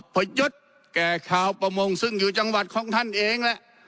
ประยุทธ์แก่ชาวประมงซึ่งอยู่จังหวัดของท่านเองแหละ